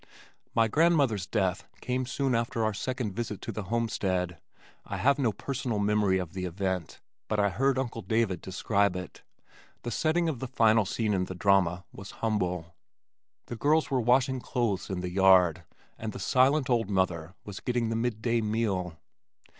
My grandmother's death came soon after our second visit to the homestead. I have no personal memory of the event, but I heard Uncle David describe it. The setting of the final scene in the drama was humble. The girls were washing clothes in the yard and the silent old mother was getting the mid day meal.